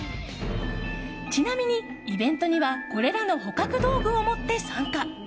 ちなみに、イベントにはこれらの捕獲道具を持って参加。